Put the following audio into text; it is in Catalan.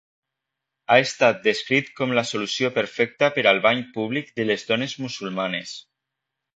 Ha estat descrit com la solució perfecta per al bany públic de les dones musulmanes.